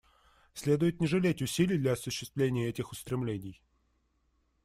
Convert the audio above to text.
Следует не жалеть усилий для осуществления этих устремлений.